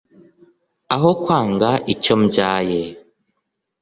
Aho kwanga icyo mbyaye!